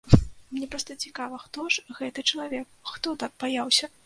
Мне проста цікава, хто ж гэты чалавек, хто так баяўся.